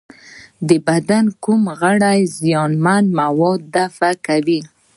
د بدن کوم غړي زیانمن مواد دفع کوي؟